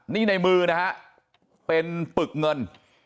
นี่ในมือนะฮะเป็นปึกเงิน